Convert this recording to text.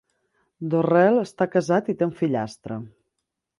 Dorrel està casat i té un fillastre.